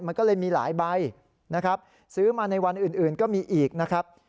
มันก็เลยมีหลายใบนะครับซื้อมาในวันอื่นก็มีอีกนะครับ